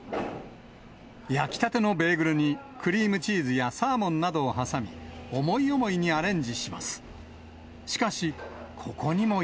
焼きたてのベーグルに、クリームチーズやサーモンなどを挟み、思い思いにアレンジします。